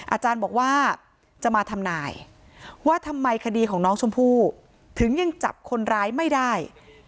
อาจารย์บอกว่าจะมาทำนายว่าทำไมคดีของน้องชมพู่ถึงยังจับคนร้ายไม่ได้